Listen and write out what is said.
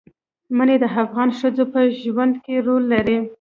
منی د افغان ښځو په ژوند کې رول لري.